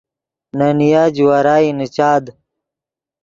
نے نیا جوارائی نیچاد